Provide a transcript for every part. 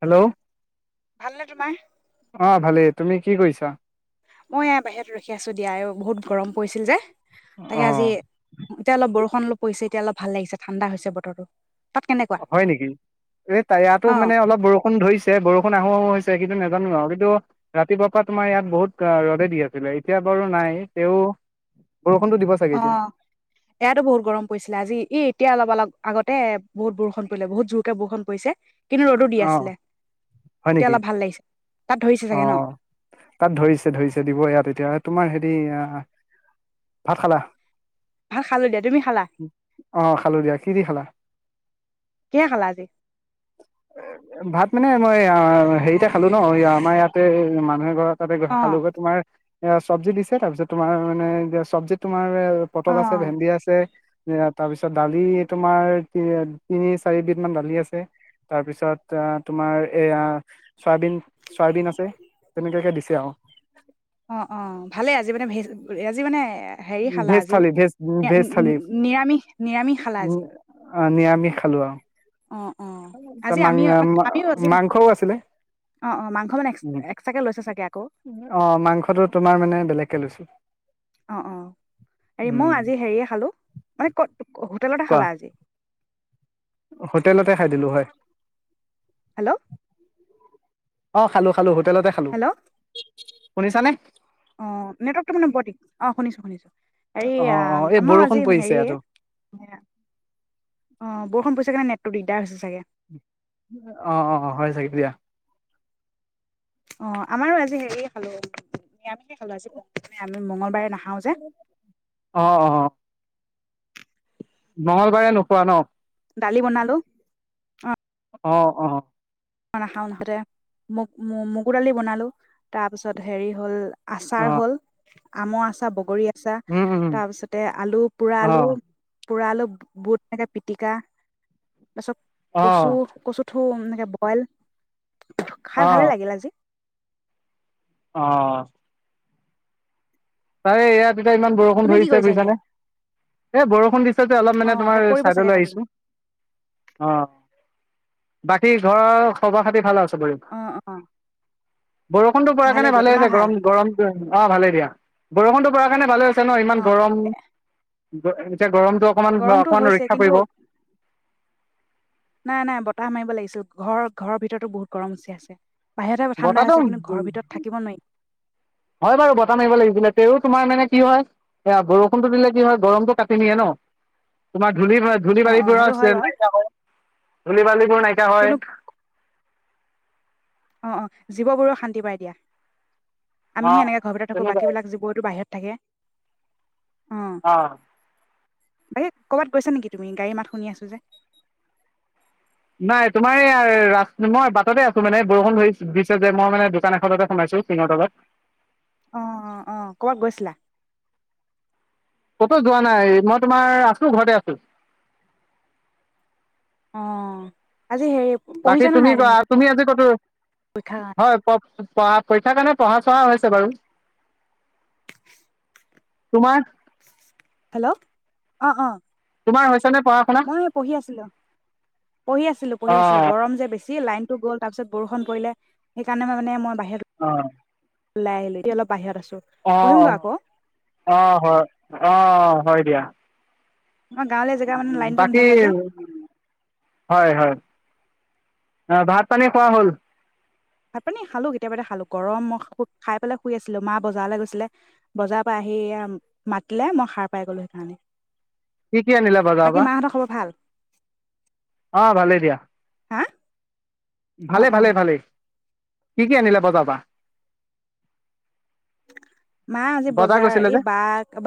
Hello ভালনে তোমাৰ অ' ভালেই। তুমি কি কৰিছা? মই এ বাহিৰত ৰখি আছো দিয়া বহুত গৰম পৰিছিল যে তাকে অ আজি এতিয়া অলপ বৰষুণ পৰিছে এতিয়া অলপ ভাল লাগিছে ঠাণ্ডা হৈছে বতৰটো, তাত কেনেকুৱা হয় নেকি এই ইয়াটো অ মানে অলপ বৰষুণ ধৰিছে বৰষুণ আহো আহো হৈছে। কিন্তু নাজানো আৰু কিন্তু ৰাতিপুৱাৰ পৰা তোমাৰ ইয়াত বহুত ৰদে দি আছিলে এতিয়া বাৰু নাই তেওঁ, অ ইয়াতো বহুত গৰম পৰিছিলে আজি ই এতিয়া অলপ অলপ, আগতে বহুত বৰষুণ পৰিলে বহুত জোৰকে বৰষুণ পৰিছে। কিন্তু ৰ'দো দি অ আছিলে হয় এতিয়া নেকি অলপ ভাল লাগিছে তাত ধৰিছে অ চাগে ন তাত ধৰিছে ধৰিছে দিব ইয়াত এতিয়া তোমাৰ সেই এ ভাত খালা? ভাত খালো দিয়া তুমি খালা অ' খালো দিয়া, কি দি খালা? কিহে খালা আজি? এ ভাত মানে মই হেৰিতে খালো ন আমাৰ ইয়াতে মানুহ এঘৰত তাতে গৈ অ খালোগৈ তোমাৰ, এ চব্জি দিছে তাৰপিছত তোমাৰ মানে চব্জিত তোমাৰ অ পটল আছে ভেন্দি আছে। তাৰপিছত দালি তোমাৰ তিনি চাৰিবধ মান দালি আছে। তাৰপিছত, তোমাৰ এয়া চয়াবিন চয়াবিন আছে তেনেকুৱাকে দিছে আৰু অ অ ভালেই আজি মানে আজি মানে। হেৰি খালা ভেজ আজি থালি ভেজ ভেজ থালি নিৰামিষ নিৰামিষ খালা উ আজি নিৰামিষ খালো। অ অ আজি [inaudible] মা আমি মানে আমিও আজি মাংসও আছিলে অ অ মাংস মানে এক্স এক্সট্ৰাকে লৈছে চাগে আকৌ অ মাংসটো তোমাৰ মানে বেলেগকে লৈছো অ' অ' হেৰি উম মই আজি হেৰিয়ে খালো মানে কত হোটেলতে কোৱা খালা আজি। হোটেলতে খাই দিলোঁ হয়। হেল্ল'! অ খালো খালো হো! হোটেলতে খালো। হেল্ল' শুনিছা নে? অ নেটৱৰ্ক তটো মানে বৰিক অ শুনিছো শুনিছো। অ এয়া অ এই আমাৰ বৰষুণ আজি পৰিছে হেৰীয়ে ইয়াতো অ বৰষুণ পইছে কাৰণে ন, টো দিদা হৈছে। চাগে অ অ হয় চাগে দিয়া অ আমাৰো আজি হেৰীয়ে খালোঁ নিৰামিশে খালোঁ আজি আমি মঙ্লবাৰে ন অহ' অ'। মঙলবাৰে নোখোৱা ন? দালি বনালোঁ অ' অ', অ'। [unintelligible] নাখাওঁ মুঠাতে ম-মগুৰ দালি বনালোঁ তাৰপিছত হেৰি হ'ল অ আচাৰ হ'ল আমৰ আচাৰ, বগৰী চা, উম উম তাৰপিছতে আলু, অ পোৰাআলু পোৰাআলু, বুট এনেকে পিটিকা তাছত অ কচু, কচু ঠো ল [unintelligible] খাই অ ভালে লাগিল আজি অ' [unintelligible] ইয়াত দু ইমান বৰষুণ তুমি কি ধৰিছে কৰিছা এতিয়া বুজিছানে এই বৰষুণ দিছে যে অলপ অ মানে একে তোমাৰ পৰিব চাগে ছাইডলৈ তাতে আহিছোঁ অ বাকী ঘৰৰ খবৰ খাটি ভাল আৰ চবৰে, অ অ বৰষুণটো পৰা কাৰণে দিয়া ভালে তোমাৰ হৈছে ভাল গৰম-গৰমটো অ', ভালে দিয়া। বৰষুণৰ কাৰণ ভালে হৈছে। চে, ন' অ ইমান গৰম। এ, াৰ [unintelligible] গৰমটো অকণমান, গৰমটো অকণমান হৈছে ৰক্ষা কিন্তু পৰিব। নাই নাই বতাহ মাৰিব লাগিছিল ঘৰ ঘৰৰ ভিতৰতো বহুত গৰম উচি আছে। বাহিৰতহে ঠাণ্ডা বতাহটো হৈছে কিন্তু ঘৰৰ ভিতৰত থাকিব নোৱাৰি হয় বাৰু বতাহ মাৰিব লাগিছিলে তেত্ত তোমাৰ মানে কি হয় এয়া বৰষুণতটো দিলে কি হয় গৰমটো কাটি নিয়ে ন তোমাৰ [unintelligible] অ অ পৰা সেইটো আছে হয় বাৰু নাই ধুনিবে কোৰ নাইকা হয়। কিন্তু অ-অ জীৱবোৰো শান্তি পাই দিয়া। অ আমি সে এনেকা ঘৰতে থাকো তেনেকুৱাই বাকী বিিলাক জিবুৱতো বাহিৰত, টাকে অ' বাকী কৰ'বাত গৈছা নেকি তুমি গাড়ী মাত শুনি আছো যে নাই তোমাৰ এই ৰা, মই বাটতে আছোঁ মানে বৰষুণ ধৰি দিছে যে, মই মানে দোকান এখনতে সোমাইছো টিঙৰ তলত অ', অ', অ', কৰ'বাত গৈছিলা? ক'তো যোৱা নাই মই তোমাৰ আছো ঘৰতে আছো অ আজি হেৰি বাকী পঢ়িছানে তুমি নাই কোৱা, তুমি আজি ক'তো পৰীক্ষাৰ কাৰণে হয়, প-পঢ়া-পৰীক্ষাৰ কাৰণে পঢ়া, চহা হৈছে বাৰু। তোমাৰ হেল্ল' অ' অ' তোমাৰ হৈছে নে পঢ়া শুনা মই এই পঢ়ি আছিলোঁ, পঢ়ি আছিলোঁ, পঢ়ি অ আছিলোঁ গৰম যে বেছি, লাইনটো গ'ল। তাৰপিছত বৰষুণ পৰিলে, সেইকাৰণে মানে মই বাহিৰত অহ' ওলাই আহিলোঁ, এতিয়া অলপ বাহিৰত আছোঁ। অ' অ' অ' হয়। অ' হয় দিয়া। আমাৰ গাঁৱলীয়া জেগা মানে লাইনটো বাকী নাথাকে যে হয়, হয়। ভাত পানী খোৱা হ'ল? ভাত পানী খালোঁ, কেতিয়াবাতে খালোঁ। গৰম, মই খাই পেলাই শুই আছিলোঁ। মা বজাৰলৈ গৈছিলে, বজাৰৰ পৰা আহি মাতিলে মই সাৰ পাই গলোঁ সেইকাৰণে কি কি আনিলে বজাৰৰ বাকী পৰা? মাহঁতৰ খবৰ ভাল অ' ভালেই দিয়া, হা অ ভালে, অ ভালে ভালেই। কি কি আনিলে বজাৰৰ পৰা? মা আজি বজাৰ, গৈছিলে এই যে বা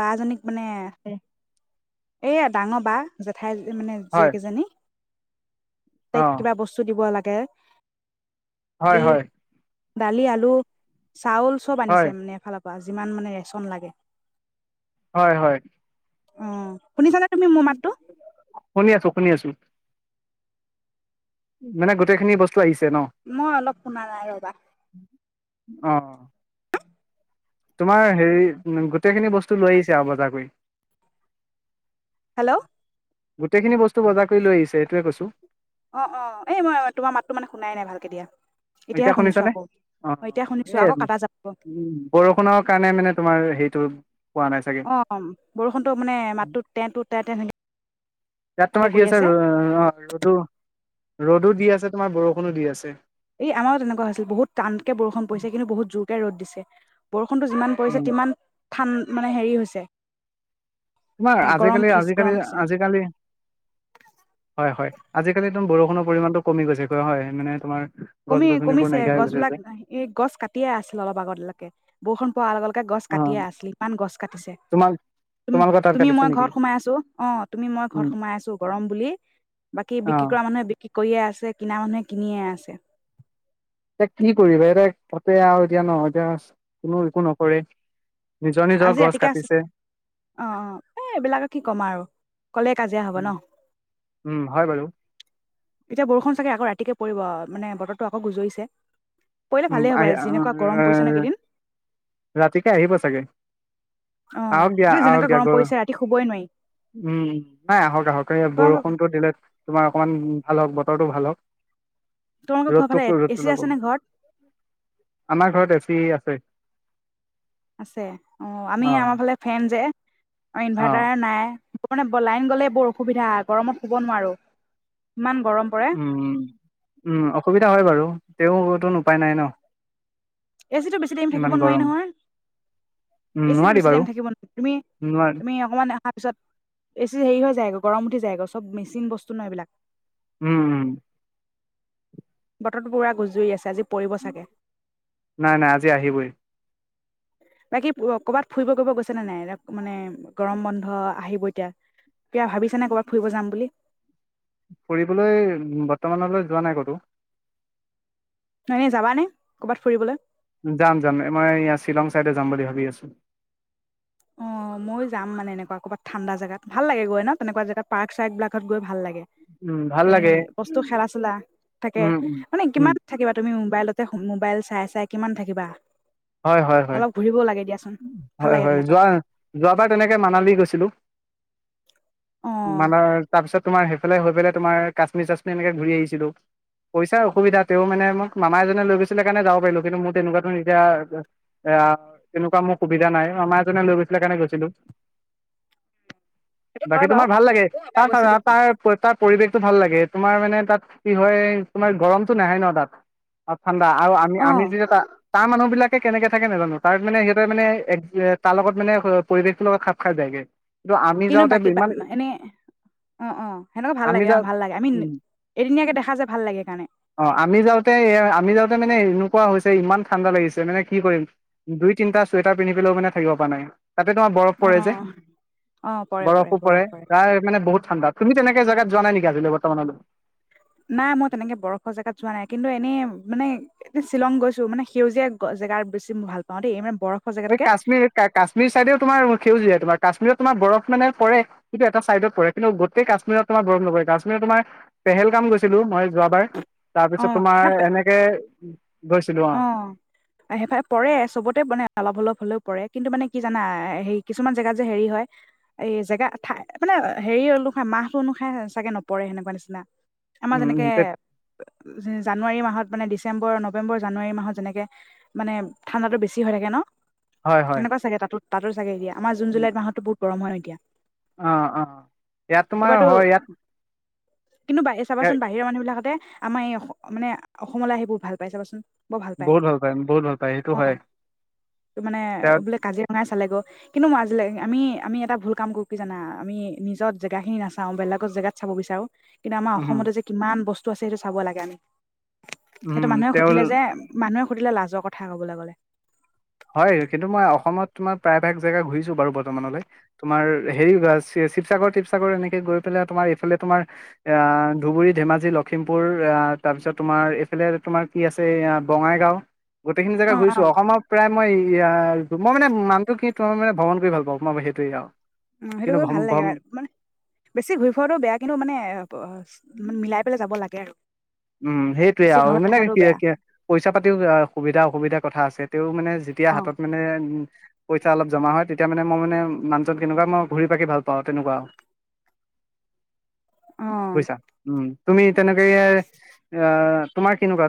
বা এইজনীক মানে এই ডাঙৰ বা, জেঠাই মানে হয় জীয়েক এজনী, অ তাইক কিবা বস্তু দিব লাগে। কে হয়, হয়। দালি, আলু। চাউল চব আনিছে হয় মানে এফালৰ বা যিমান মানে ৰেচন লাগে। হয়, হয়। উম। শুনিছানে তুমি মোৰ মাতটো? শুনি আছো শুনি আছো মানে গোটেইখিনি বস্ মই অলপ শুনা নাই ৰ'বা। অ'। তোমাৰ হেৰি [unintelligible] টেইখিনি বস্তু লৈ মাতটো আহিছে আৰু বজাৰ কৰি। হেল্ল'! গোটেইখিনি বস্তু বজাৰ কৰি লৈ আহিছে সেইটোৱে কৈছো। অ', অ', এই মই তোমাৰ মাতটো মানে শুনাই নাই ভাল কে দিয়া। এতিয়া এতিয়াহে শুনিছো শুনিছানে? আকৌ অ', এতিয়া শুনিছো এ, আকৌ কাটা যাব বৰষুণৰ কাৰণে মানে তোমাৰ সেইটো অ ' বৰষুণতটো মানে মাতটো [unintelligible] ইয়াত তে তোমাৰ কি কৰি আছে ৰ অ ৰ'দো ৰ'দো দি আছে তোমাৰ বৰষুণো দি আছে। এই আমাৰো তেনেকুৱা হৈছিল বহুত টানকে বৰষুণ পৰিছে কিন্তু বহুত জোৰকে ৰ'দ দিছে। টো যিমান পৰিছে উম, তিমান ঠান মানে হেৰি হৈছে তোমাৰ গৰম আজিকালি উঠিছে আজিকালি গৰম উঠিছে আজিকালি হয় হয় আজিকালি একদম বৰষুণৰ পৰিমাণটো কমিৈছেোৱা হয় মানে তোমাৰ, গছ কমি গছনিবোৰ কমিছে নাইকিয়া হৈ গৈছে গছবিলাক যে এই গছ কাটিয়ে আছিল অলপ আগতিলকে বৰষুণ পোৱাৰ আগে গছ অ কাটিয়ে আছিল ইমান গছ কাটিছে তোমাল তোমালোকৰ তাত তুমি কাটিছে মই নেকি? ঘৰত সোমাই আছো অ তুমি মই ঘৰত উম, সোমাই আছো গৰম বুলি বাকী অ বিক্ৰী কৰা মানুহে বিক্ৰী কৰিয়ে আছে কিনা মানুহে কিনিয়ে আছে। এ কি কৰিবা এতিয়া পাতে আৰু এতিয়া নহয় এতিয়া কোনো একো নকৰে। নিজৰ নিজৰ আজি গছ ৰাতিকে আছে কাটিছে অ অ এ এইবিলাকে কি কম আৰু কলে কাজিয়া হব ন উম হয় বাৰু এতিয়া বৰষুণ চাগে আকৌ ৰাতিকে, পৰিব মানে বতৰটো আকৌ গুজৰিছে পৰিলে উ ভালেই হ'ব আহি যেনেকুৱা গৰম পৰিছে ন এইকেইদিন ৰাতিকে আহিব চাগে। অ' আহক দিয়া এইটো আহক যেনেকুৱা দিয়া গৰম গৈ পৰিছে ৰাতি শুবই নোৱাৰি উম উ নাই আহক আহক এ তোমালোকৰ বৰষুণটো দিলে। তোমাৰ অকণমান ভাল হওক বতৰটো ভাল হওক, তোমালোকৰ ঘৰৰ ৰ'দট ফালে কৈ এ ৰ'দটো চি লগ আছে গলো নে ঘৰত আমাৰ ঘৰত এ চি আছে। আছে অ আমি আমাৰ ফালে ফেন যে, অ ইনভাৰ্টাৰ নাই, মানে লাইন গ'লে বৰ অসুবিধা গৰমত শুব নোৱাৰো। ইমান গৰম পৰে উম, উম, অসুবিধা হয় বাৰু। তেওঁ [unintelligible] নো উপায় নাই ন'। এ চি টো বেছি টাইম থাকিব ইমান নোৱাৰি গৰম নহয়, উম এ চি টো নোৱাৰি বেছি বাৰু টাইম থাকিব ন তুমি, নোৱাৰি তুমি অকমান তাৰপিছত এ চি টো হেৰি হৈ যায় গৈ, গৰম উঠি যায় গৈ, চব মেচিন বস্তু ন' এইবিলাক। উম, উম। বতৰটো পুৰা গুজুৰি আছে, আজি পৰিব চাগে নাই নাই, আজি আহিবই। বাকী কৰ'বাত ফুৰিব গব গৈছে নে নাই? মানে গৰম বন্ধ আহিব এতিয়া, কিবা ভাবিছ নে কৰ'বাত ফুৰিব যাম বুলি? ফুৰিবলৈ বৰ্তমানলৈ যোৱা নাই ক'তো। ন' এনে যাবা নে, কৰ'বাত ফুৰিবলৈ? যাম যাম। মই এই শ্বিলং চাইডে যাম বুলি ভাবি আছো। অ', ময়ো যাম মানে এনেকুৱা ক'বাত ঠাণ্ডা জেগাত। ভাল লাগে গৈ ন' তেনেকুৱা জেগাত, পাৰ্ক চাৰ্ক বিলাকত গৈ ভাল লাগে। উম ভাল এই লাগে বস্তু খেলা চেলা থাকে, উম উম মানে উম কিমান থাকিবা তুমি মোবাইলতে, মোবাইল চাই চাই কিমান থাকিবা। হয় হয় হয় অলপ ঘুৰিবও লাগে দিয়াচোন, ভাল হয় লাগে হয় তেনেকুৱাত। যোৱা যোৱাবাৰ তেনেকে মানালী গৈছিলোঁ। [inaudible] অ' তাৰপিছত তোমাৰ সেইফালে হৈফেলাই তোমাৰ কাশ্মীৰ চাশ্মীৰ এনেকে ঘূৰি আহিছিলোঁ। পইচাৰ অসুবিধা তেওঁও মানে মোক মামাই এজনে লৈ গৈছিলে কাৰণে যাব পাৰিলো, কিন্তু মোৰ তেনেকুৱাতো এতিয়া এয়া তেনেকুৱা মোৰ সুবিধা নাই মামা এজনে লৈ গৈছিলে সেইকাৰণে গৈছিলোঁ। সেইটো বাকী হয় বাৰু তোমাৰ ভাল লাগে, ময়ো এবাৰ তাৰ গৈছিলো [unintelligible] পৰিৱেশতটো ভাল লাগে তোমাৰ মানে তাত কি হয়, তোমাৰ গৰমতটো নাহে ন' তাত। অ' ঠাণ্ডা আৰু আমি আমি অ' যেতিয়া তা-তাৰ মানুহবিলাক তে কেনেকে থাকে নাজানো তাৰ মানে সিহঁতে মানে এগ এ, তাৰ লগত মানে স, পৰিৱেশটোৰ লগত খাপ খাই যায়গে। আমি কিন্তু যাওঁতে বাকী পা ইমান এনেই অ', অ', সেনেকুৱা ভাল আমি লাগে অ', যাওঁ ভাল লাগে। আমি উম এদিনীয়াকে দেখা যে ভাল লাগে সেইকাৰণে। নে এনেকুৱা হৈছে ইমান ঠাণ্ডা লাগিছে মানে কি কৰিম, দুই তিনিটা চুৱেটাৰ পিন্ধি পেলও মানে থাকিব পাৰা নাই। তাতে তোমাৰ বৰফ পৰে যে, অ' অ' পৰে বৰফো পৰে বৰফ তাৰ মানে বহুত ঠাণ্ডাত। তুমি তেনেকে জেগাত যোৱা নাই নেকি, আজিলে বৰ্তমানলৈ? নাই মই তেনেকে বৰফৰ জেগাত যোৱা নাই কিন্তু এনেই মানে এ' শ্বিলং গৈছোঁ মানে সেউজীয়া জেগাৰ বেছি মই ভাল পাওঁ দেই মান এই কাশ্মীৰ কা-কাশ্মীৰ ছাইডেও তোমাৰ সেউজীয়া তোমাৰ। কাশ্মীৰত তোমাৰ বৰফ মানে পৰে, কিন্তু এটা ছাইডত পৰে কিন্তু গোটেই কাশ্মীৰত তোমাৰ বৰফ নপৰে। কাশ্মীৰত তোমাৰ পেহেল গাম গৈছিলোঁ মই যোৱাবাৰ। অ তাৰপিছত ন তোমাৰ এনেকে অ', সেইফালে পৰে চবতে মানে অলপ অলপ হ'লেও পৰে কিন্তু মানে কি জানা হেৰি কিছুমান জেগাত যে হেৰি হয়, এই জেগা ঠাই মানে হেৰি অনুসায়, মাহ অনুসাই চাগে নপৰে সেনেকুৱা নিচিনা। আমাৰ যেনেকে উম অ, জানুৱাৰী মাহত মানে ডিচেম্বৰ নৱেম্বৰ জানুৱাৰী মাহত যেনেকে মানে ঠাণ্ডাতো বেছি হৈ থাকে ন'। হয় হয় তেনেকুৱা চাগে তাতোত? তাতো চাগে এতিয়া আমাৰ জুন জুলাই মাহতো বহুত গৰম হয় এতিয়া। অ', অ', ইয়াত তোমাৰ এইবাৰতো হয় ইয়াত কিন্তু বাহে চাবাচোন বাহিৰৰ মানুহ বিলাকহতে আমাৰ এই অস মানে অসমলৈ আহি বহুত ভাল পাই চাবাচোন। বৰ ভাল পাই। বহুত পায় বহুত ভাল পায় সেইটো হয় অ', ত' মানে তেওঁ বোলে কাজিৰঙা চালেগ'। কিন্তু মাজোলে আমি আমি এটা ভুল কাম কৰো কি জানা? আমি নিজৰ জেগা খিনি নাচাও বেলেগৰ জেগাত চাব বিচাৰো। কিন্তু আমাৰ উম অসমতে যে কিমান বস টো আছে সেইটো চাব লাগে আমি। উম, তেওঁ দিলে যে মানুহে সুধিলে লাজৰ কথা ক'বলৈ গ'লে। হয় কিন্তু মই অসমত তোমাৰ প্ৰায়ভাগ জেগা ঘূৰিছোঁ বাৰু বৰ্তমানলৈ। তোমাৰ হেৰি শি-শিৱসাগৰ তিৱসাগৰ এনেকে গৈ পেলাই তোমাৰ এইফালে তোমাৰ অ, ধুবুৰী ধেমাজি লখিমপুৰ আহ তাৰপিছত তোমাৰ এইফালে তোমাৰ কি আছে অ, বঙাইগাঁও। গোটেইখিনি জেগা অ অ ঘুৰিছোঁ অসমৰ মই ইয়া মই মানে মানুহটো কি তই মানে ভ্ৰমণ কৰি ভাল পাওঁ, মই হেটোৱে আৰু। উম, হেটো কিন্তু কৰি ভ্ৰম ভাল লাগে ভ্ৰম- আৰ মানে, বেছি ঘূৰি ফুৰাটো বেয়া কিন্তু মানে অ, অপ ম-মিলাই পেলাই যাব লাগে আৰু। উম, সেইটোৱে বেছি আৰু ঘৰত মানে থকাটো বেয়া কি-কি পইচা পাতিও অ, সুবিধা অসুবিধা কথা আছে, তেওঁ মানে যেতিয়া অ হাতত মানে পইচা অলপ জমা হয় তেতিয়া মানে মই মানে মানুজন কেনেকুৱা, মই ঘূৰি পাকি ভাল পাওঁ তেনেকুৱা। অ বুইছা? উম। তুমি তেনেকে অ' তোমাৰ কেনেকোৱা?